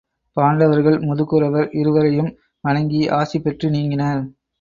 பாண்டவர்கள் முதுகுரவர் இருவரையும் வணங்கி ஆசி பெற்று நீங்கினர்.